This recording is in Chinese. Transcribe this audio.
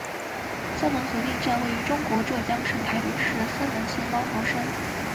三门核电站位于中国浙江省台州市三门县猫头山。